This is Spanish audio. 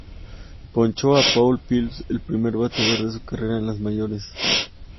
Ponchó a Paul Phillips, el primer bateador de su carrera en las mayores.